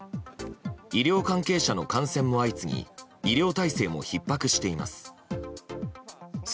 医療関係者の感染も相次ぎ医療体制もひっ迫しています。